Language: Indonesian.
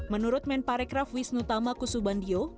menurut menparekraf wisnutama kusubandio